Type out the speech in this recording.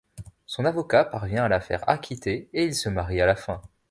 Son avocat parvient à la faire acquitter et ils se marient à la fin.